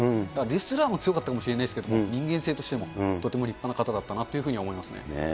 レスラーも強かったかもしれないですけれども、人間性としてもとても立派な方だったなというふうには思いますね。